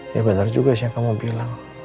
ya benar juga sih yang kamu bilang